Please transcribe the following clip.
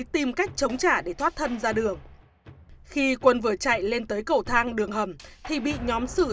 tìm cách chống trả để thoát thân ra đường khi quân vừa chạy lên tới cầu thang đường hầm thì bị nhóm xử